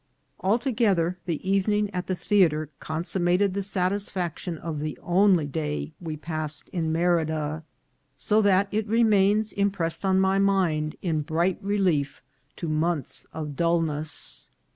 Altogether, the evening at the theatre consummated the satisfaction of the only day we passed in Merida, so that it remains impressed on my mind in bright relief to months of dulness.